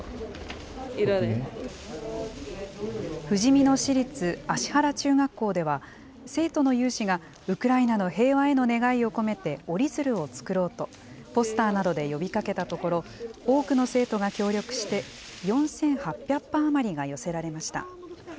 ふじみ野市立葦原中学校では、生徒の有志がウクライナの平和への願いを込めて、折り鶴を作ろうと、ポスターなどで呼びかけたところ、多くの生徒が協力して、４８００羽余りが寄せられました。